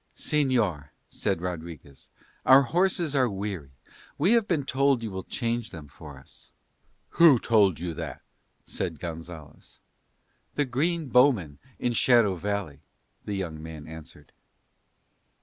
"Señor," said Rodriguez, "our horses are weary. We have been told you will change them for us." "Who told you that?" said Gonzalez. "The green bowmen in Shadow Valley," the young man answered.